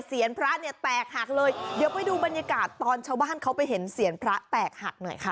พระเนี่ยแตกหักเลยเดี๋ยวไปดูบรรยากาศตอนชาวบ้านเขาไปเห็นเสียงพระแตกหักหน่อยค่ะ